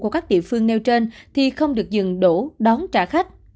của các địa phương nêu trên thì không được dừng đổ đón trả khách